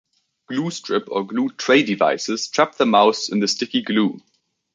Glue strip or glue tray devices trap the mouse in the sticky glue.